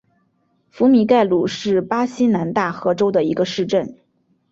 福米盖鲁是巴西南大河州的一个市镇。